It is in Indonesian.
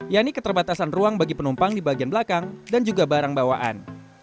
yaitu keterbatasan ruang bagi penumpang di bagian belakang dan juga barang bawaan